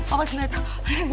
apa sebenarnya cocok